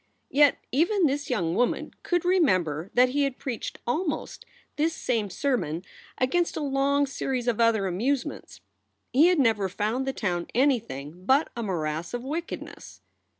Yet even this young woman could remember that he had preached almost this same sermon against a io SOULS FOR SALE long series of other amusements. He had never found the town anything but a morass of wickedness.